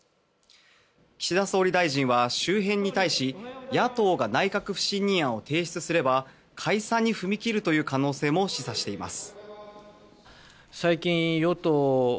岸田総理大臣は周辺に対し野党が内閣不信任案を提出すれば解散に踏み切るという可能性も示唆しています。